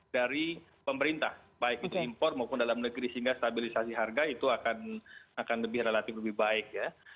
dari pemerintah baik itu impor maupun dalam negeri sehingga stabilisasi harga itu akan lebih relatif lebih baik ya